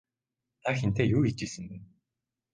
Та хэнтэй юу хийж байсан бэ?